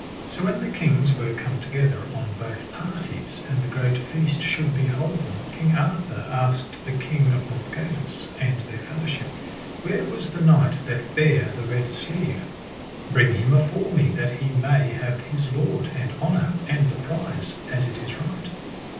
So when the kings were come together on both parties, and the great feast should be holden, King Arthur asked the King of Northgalis and their fellowship, where was that knight that bare the red sleeve: Bring him afore me that he may have his laud, and honour, and the prize, as it is right.